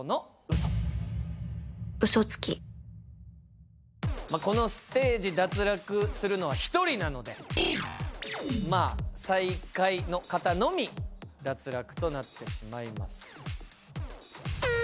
嘘つきこのステージ脱落するのは１人なのでまあ最下位の方のみ脱落となってしまいます。